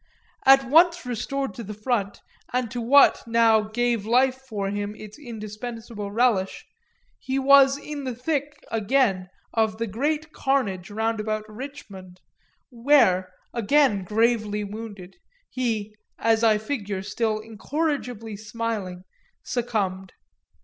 At once restored to the front and to what now gave life for him its indispensable relish, he was in the thick, again, of the great carnage roundabout Richmond, where, again gravely wounded, he (as I figure still incorrigibly smiling) succumbed.